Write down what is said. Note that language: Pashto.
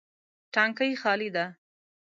تانکی خالي ده